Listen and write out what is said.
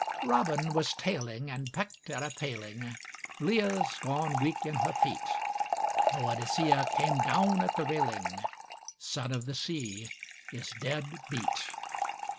Robin was tailing and pecked at a paling, Leah's gone weak in her feet; Boadicea came down at the railing, Son of the Sea is dead beat.